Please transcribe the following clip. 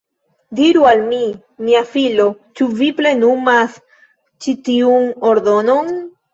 Diru al mi, mia filo, ĉu vi plenumas ĉi tiun ordonon?